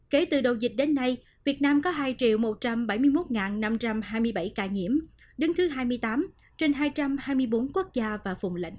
kể từ đầu dịch đến nay việt nam có hai một trăm bảy mươi một năm trăm hai mươi bảy ca nhiễm đứng thứ hai mươi tám trên hai trăm hai mươi bốn quốc gia và vùng lãnh